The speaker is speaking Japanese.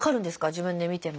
自分で見ても。